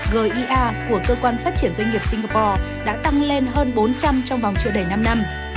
giea của cơ quan phát triển doanh nghiệp singapore đã tăng lên hơn bốn trăm linh trong vòng chưa đầy năm năm